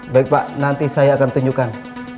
baik pak nanti saya akan tunjukkan